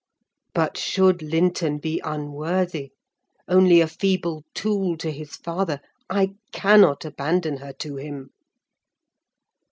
But should Linton be unworthy—only a feeble tool to his father—I cannot abandon her to him!